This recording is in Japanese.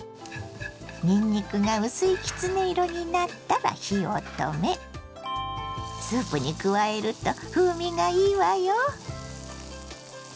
にんにくが薄いきつね色になったら火を止めスープに加えると風味がいいわよ。